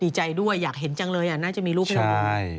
ดีใจด้วยอยากเห็นจังเลยอ่ะน่าจะมีรูปเหมือนกัน